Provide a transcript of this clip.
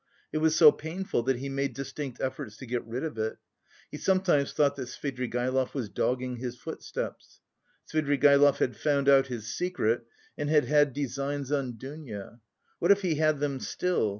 It was so painful that he made distinct efforts to get rid of it. He sometimes thought that Svidrigaïlov was dogging his footsteps. Svidrigaïlov had found out his secret and had had designs on Dounia. What if he had them still?